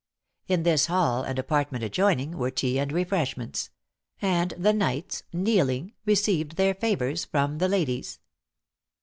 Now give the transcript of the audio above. In this hall and apartment adjoining, were tea and refreshments; and the knights, kneeling, received their favors from the ladies.